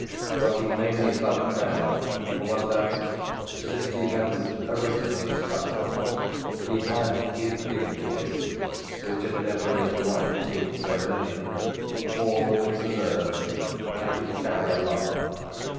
What he mainly felt now was that, since he hadn't originally scuttled, he had his dignities which had never in his life seemed so many all to preserve and to carry aloft.